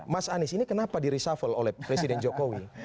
mas anies ini kenapa di reshuffle oleh presiden jokowi